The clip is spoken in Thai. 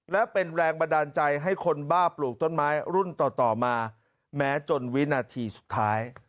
และเป็นแรงบันดาลใจให้คนบ้าปลูกต้นไม้รุ่นต่อมาแม้จนวินาทีสุดท้าย